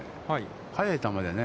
速い球でね。